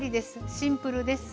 シンプルです。